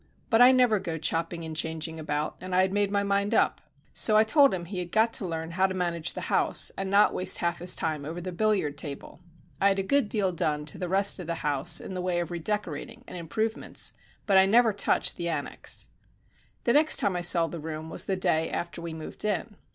But I never go chopping and changing about, and I had made my mind up. So I told him he had got to learn how to manage the house, and not to waste half his time over the billiard table. I had a good deal done to the rest of the house in the way of redecorating and improvements, but I never touched the annexe. The next time I saw the room was the day after we moved in.